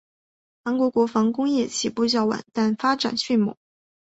韩国国防工业起步较晚但发展迅猛。